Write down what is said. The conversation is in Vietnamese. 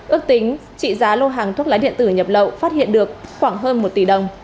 ước tính trị giá lô hàng thuốc lá điện tử nhập lậu phát hiện được khoảng hơn một tỷ đồng